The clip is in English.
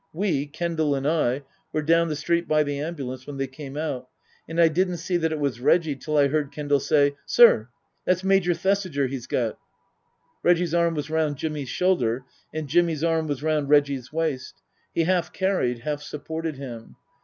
We, Kendal and I, were down the street by the ambulance when they came out, and I didn't see that it was Reggie till I heard Kendal say, " Sir, that's Major Thesiger he's got !" Reggie's arm was round Jimmy's shoulder and Jimmy's arm was round Reggie's waist. He half carried, half supported him.